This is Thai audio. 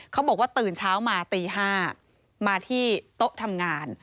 เขาบอกว่าตื่นเช้ามาตี๕มาที่โต๊ะทำงาน